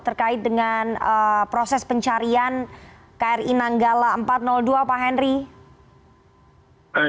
terkait dengan proses pencarian kri nanggala empat ratus dua pak henry